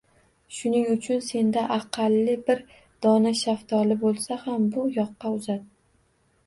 Shuning uchun senda aqalli bir dona shaftoli bo`lsa ham bu yoqqa uzat